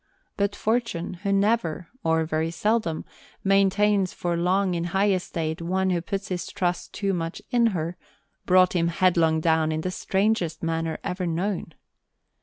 But Fortune, who never, or very seldom, maintains for long in high estate one who puts his trust too much in her, brought him headlong down in the strangest manner ever known.